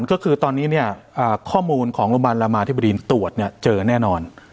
ก็คือตอนนี้เนี่ยข้อมูลของโรงพยาบาลรามาธิบดีตรวจเนี่ยเจอแน่นอน